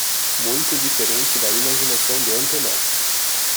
Muito diferente da imaginação de antemão